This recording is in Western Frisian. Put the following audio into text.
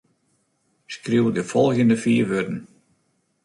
Skriuw de folgjende fiif wurden.